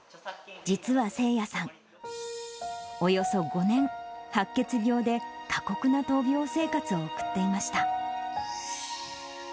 実は聖也さん、およそ５年、白血病で過酷な闘病生活を送っていました。